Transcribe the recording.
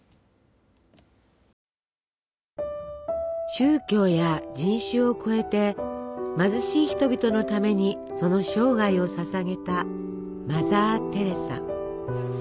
宗教や人種を超えて貧しい人々のためにその生涯をささげたマザー・テレサ。